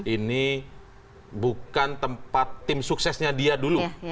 ini bukan tempat tim suksesnya dia dulu